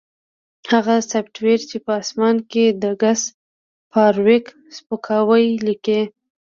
هغه سافټویر چې په اسمان کې د ګس فارویک سپکاوی لیکي